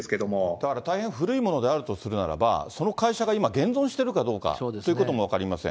だから、大変古いものであるとするならば、その会社が今現存してるかどうかということも分かりません。